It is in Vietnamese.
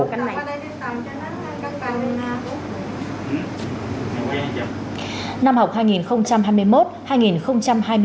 cảm ơn các bạn đã theo dõi và hẹn gặp lại